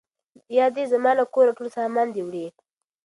یا دي زما له کوره ټول سامان دی وړی